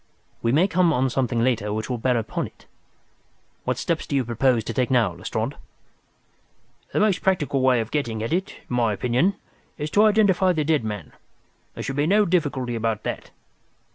We may come on something later which will bear upon it. What steps do you propose to take now, Lestrade?" "The most practical way of getting at it, in my opinion, is to identify the dead man. There should be no difficulty about that.